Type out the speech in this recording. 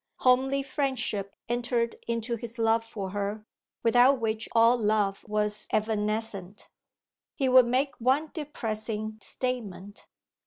Homely friendship entered into his love for her, without which all love was evanescent. He would make one depressing statement.